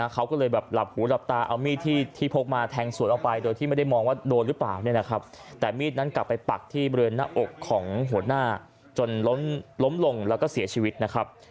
เขาก็เลยแบบหลับหูหลับตาเอามีดที่พกมาแทงสวนออกไปโดยที่ไม่ได้มองว่าโดนหรือเปล่าเนี่ยนะครับแต่มีดนั้นกลับไปปักที่บริเวณหน้าอกของหัวหน้าจนล้มลงแล้วก็เสียชีวิตนะครับ